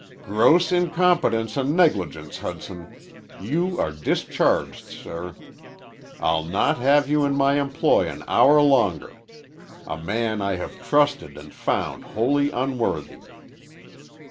"Gross incompetence and negligence, Hudson. You are discharged, sir. I'll not have you in my employ an hour longer. A man I have trusted and found wholly unworthy."